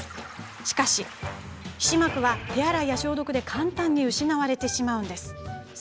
しかし、皮脂膜は手洗いや消毒で簡単に失われてしまうんです。